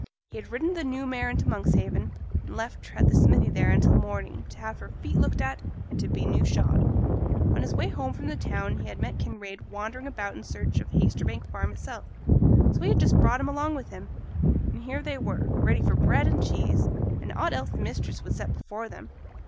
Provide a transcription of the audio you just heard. He had ridden the new mare into Monkshaven, and left her at the smithy there until morning, to have her feet looked at, and to be new shod. On his way from the town he had met Kinraid wandering about in search of Haytersbank Farm itself, so he had just brought him along with him; and here they were, ready for bread and cheese, and aught else the mistress would set before them.